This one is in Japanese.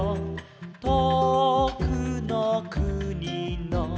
「とおくのくにの」